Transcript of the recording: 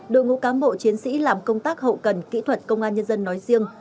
đội ngũ cán bộ chiến sĩ làm công tác hậu cần kỹ thuật công an nhân dân nói riêng